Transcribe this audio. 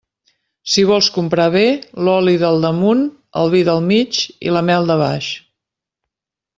Si vols comprar bé, l'oli del damunt, el vi del mig i la mel de baix.